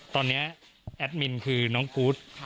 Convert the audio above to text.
ตอนนี้แอดมินคือน้องกู๊ด